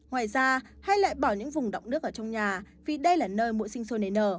ngoài ra hay lại bỏ những vùng động nước ở trong nhà vì đây là nơi mũi sinh sôi nề nở